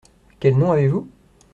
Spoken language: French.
Quel nom avez-vous ?